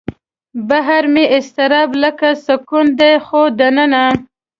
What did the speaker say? بهر مې اضطراب لکه سکون دی خو دننه